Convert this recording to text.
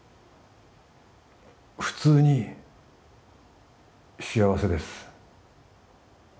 普通に幸せです